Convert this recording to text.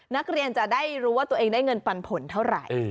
นักเรียนจะได้รู้ว่าตัวเองได้เงินปันผลเท่าไหร่